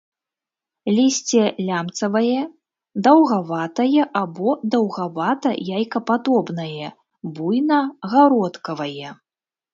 Лісце лямцавае, даўгаватае або даўгавата-яйкападобнае, буйна-гародкавае.